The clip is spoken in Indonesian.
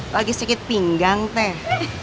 lagi sedikit pinggang teh